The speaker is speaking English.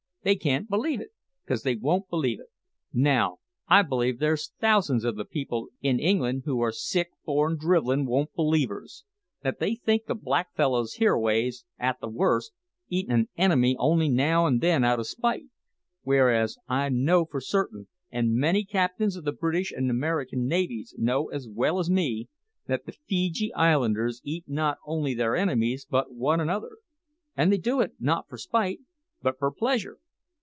They can't believe it, 'cause they won't believe it. Now, I believe there's thousands o' the people in England who are sich born drivellin' won't believers that they think the black fellows hereaways, at the worst, eat an enemy only now an' then out o' spite; whereas I know for certain, and many captains of the British and American navies know as well as me, that the Feejee Islanders eat not only their enemies but one another and they do it not for spite, but for pleasure.